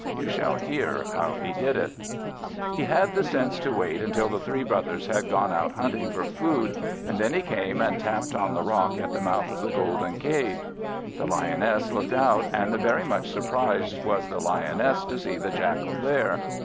You shall hear how he did it. He had the sense to wait until the three brothers had gone out hunting for food; and then he came and tapped on the rock at the mouth of the Golden Cave. The Lioness looked out, and very much surprised was the Lioness to see the Jackal there.